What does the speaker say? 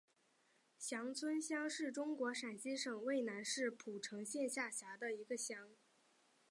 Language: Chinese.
翔村乡是中国陕西省渭南市蒲城县下辖的一个乡。